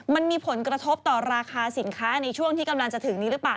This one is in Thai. มันมีผลกระทบต่อราคาสินค้าในช่วงที่กำลังจะถึงนี้หรือเปล่า